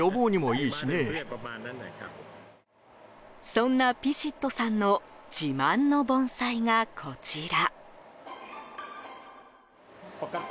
そんなピシットさんの自慢の盆栽が、こちら。